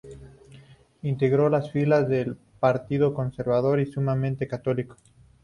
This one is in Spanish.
Integró las filas del Partido Conservador y fue sumamente católico.